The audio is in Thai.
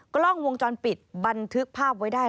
กล้องวงจรปิดบันทึกภาพไว้ได้